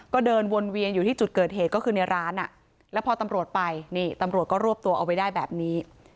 ก็เดินวนเวียนอยู่ที่จุดเกิดเหตุก็คือในร้านแล้วพอตำรวจไปนี่ตำรวจก็รวบตัวเอาไว้ได้แบบนี้